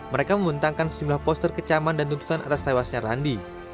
mereka membentangkan sejumlah poster kecaman dan tuntutan atas tewasnya randi